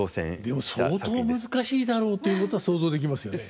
でも相当難しいだろうということは想像できますよね。